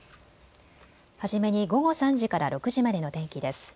初めに午後３時から６時までの天気です。